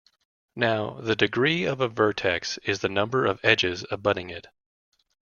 Now, the "degree" of a vertex is the number of edges abutting it.